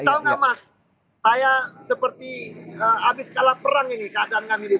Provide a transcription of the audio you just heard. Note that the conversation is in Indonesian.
ini tau gak mas saya seperti habis kalah perang ini keadaan kami di sini